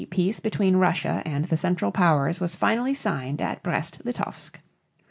On March 3 peace between Russia and the Central Powers was finally signed at Brest Litovsk.